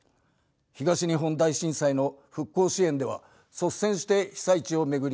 東日本大震災の復興支援では率先して被災地を巡り